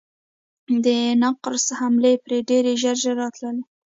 د نقرس حملې پرې ډېر ژر ژر راتلې.